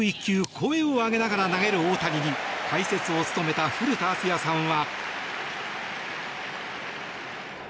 声を上げながら投げる大谷に解説を務めた古田敦也さんは。